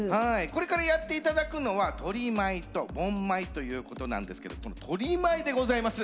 これからやって頂くのは「鶏舞」と「盆舞」ということなんですけど「鶏舞」でございます！